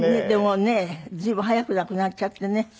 でもね随分早く亡くなっちゃってね。